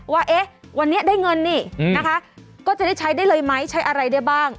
ว่าเอ๊ะวันนี้ได้เงินนี่นะคะก็จะได้ใช้ได้เลยไหมใช้อะไรได้บ้าง